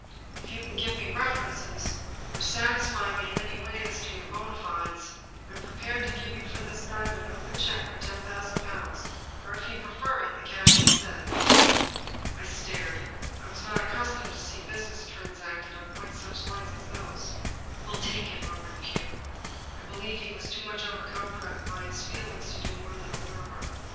" If you can give me references, or satisfy me in any way as to your bona fides, I am prepared to give you for this diamond an open check for ten thousand pounds, or if you prefer it, the cash instead." I stared; I was not accustomed to see business trans acted on quite such lines as those. "We'll take it," murmured Pugh; I believe he was too much overcome by his feeUngs to do more than mur mur.